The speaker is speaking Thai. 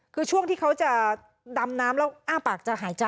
คือช่วงที่เขาจะดำน้ำแล้วอ้าปากจะหายใจ